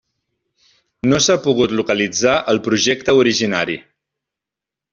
No s'ha pogut localitzar el projecte originari.